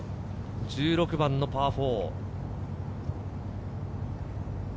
１６番のパー４。